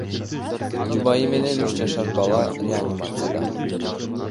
Жубайы менен үч жашар бала реанимацияда.